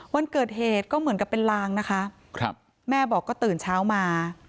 วันเกิดเหตุก็เหมือนกับเป็นลางนะคะครับแม่บอกก็ตื่นเช้ามา